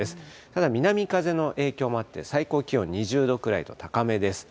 ただ、南風の影響もあって、最高気温２０度くらいと高めです。